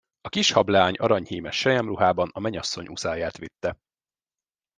A kis hableány aranyhímes selyemruhában a menyasszony uszályát vitte.